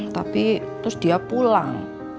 tapi terus dia pulang